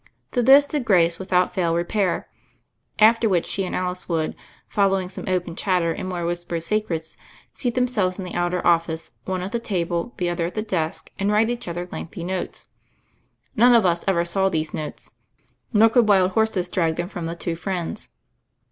To this did Grace with out fail repair, after which she and Alice would, following some open chatter and more whis pered secrets, seat themselves in the outer of fice, one at the table, the other at the desk, and write each other lengthy notes. None of us ever saw these notes : nor could wild horses drag them from the two friends.